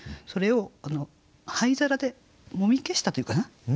それを灰皿でもみ消したというかな。